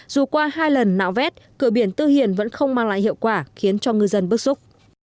dù qua hai lần nạo vét cửa biển tư hiền vẫn không mang lại hiệu quả khiến cho ngư dân bức xúc